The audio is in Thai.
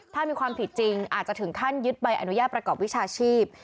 ถ้ามีความผิดจริงอาจจะถึงขั้นยึดใบอนุญาตประกอบวิชาชีพ